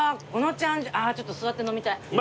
ちょっと座って飲みたい。